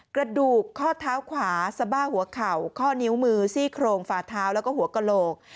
กระดูกข้อเท้าขวาสบ้าหัวเข่าข้อนิ้วมือซี่โครงฝาเท้าแล้วก็หัวกระโหลก